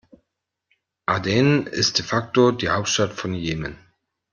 Aden ist de facto die Hauptstadt von Jemen.